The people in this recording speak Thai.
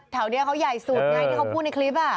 แถวนี้เขาใหญ่สุดไงที่เขาพูดในคลิป